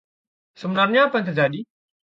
Sebenarnya apa yang terjadi?